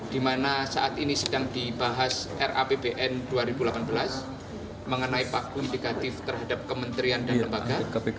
di mana saat ini sedang dibahas rapbn dua ribu delapan belas mengenai pakun negatif terhadap kementerian dan lembaga